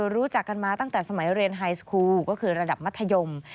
รู้จักกันมาตั้งแต่สมัยเรียนไฮสครูก็คือระดับมัธยม